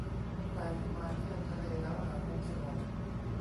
ใครที่มาเที่ยวทะเลแล้วหามุมสงบ